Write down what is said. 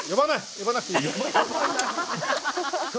呼ばなくていい！